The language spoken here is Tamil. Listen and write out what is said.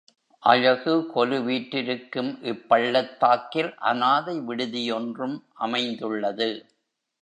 அழகு கொலுவீற்றிருக்கும் இப்பள்ளத்தாக்கில் அனாதை விடுதி யொன்றும் அமைந்துள்ளது.